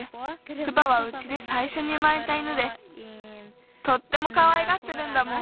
プパはうちでさいしょに生まれた犬でとってもかわいがってるんだもん。